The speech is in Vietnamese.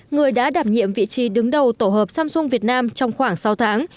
người đã đảm nhiệm vị trí đứng đầu tổ hợp samsung việt nam trong khoảng sáu tháng